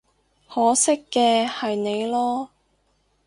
可惜嘅係你囉